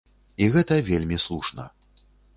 І гэта вельмі слушна.